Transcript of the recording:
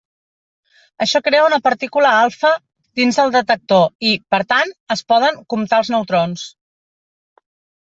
Això crea una partícula alfa dins del detector i, per tant, es poden comptar els neutrons.